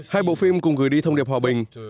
hai bộ phim cùng gửi đi thông điệp hòa bình